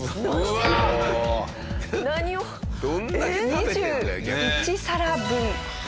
２１皿分。